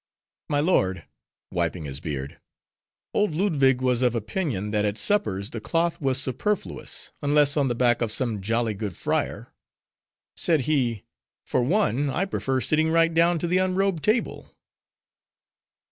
"My lord,"—wiping his beard,—"Old Ludwig was of opinion, that at suppers the cloth was superfluous, unless on the back of some jolly good friar. Said he, 'For one, I prefer sitting right down to the unrobed table.